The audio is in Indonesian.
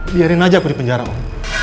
biarin aja aku dipenjara om